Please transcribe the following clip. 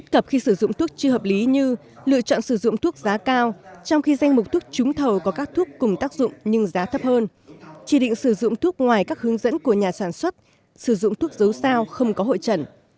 chỉ hợp lý như lựa chọn sử dụng thuốc giá cao trong khi danh mục thuốc trúng thầu có các thuốc cùng tác dụng nhưng giá thấp hơn chỉ định sử dụng thuốc ngoài các hướng dẫn của nhà sản xuất sử dụng thuốc dấu sao không có hội trần